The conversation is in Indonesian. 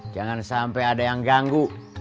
jangan sampai ada yang ganggu